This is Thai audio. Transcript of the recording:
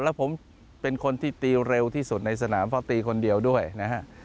แล้วผมเป็นคนที่ตีเร็วที่สุดในสนามเพราะตีคนเดียวด้วยนะฮะ